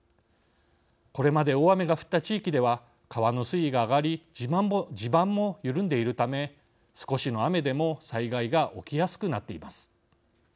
これまで大雨が降った地域では川の水位が上がり地盤も緩んでいるため少しの雨でも災害が起きやすくなっています。